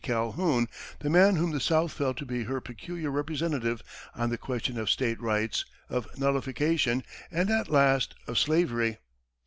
Calhoun the man whom the South felt to be her peculiar representative on the question of state rights, of nullification, and, at last, of slavery.